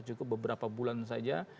cukup beberapa bulan saja